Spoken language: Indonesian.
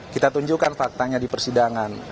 kita tunjukkan faktanya di persidangan